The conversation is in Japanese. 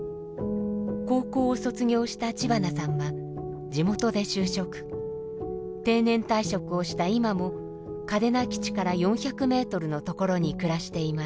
高校を卒業した知花さんは地元で就職定年退職をした今も嘉手納基地から４００メートルのところに暮らしています。